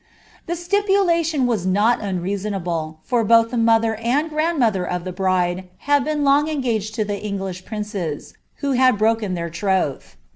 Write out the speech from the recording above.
rhe stipulation was not unreasonable, for both the mother and grand ther of the bride had been long engaged to English princes, who had ken their troth.